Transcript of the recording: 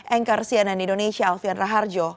anchor cnn indonesia alfian raharjo